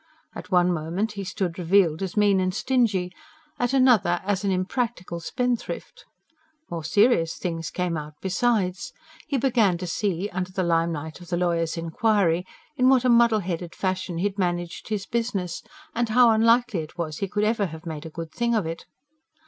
At one moment he stood revealed as mean and stingy, at another as an unpractical spendthrift. More serious things came out besides. He began to see, under the limelight of the lawyer's inquiry, in what a muddle headed fashion he had managed his business, and how unlikely it was he could ever have made a good thing of it.